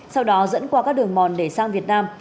sau đó dẫn qua các đường mòn để sang việt nam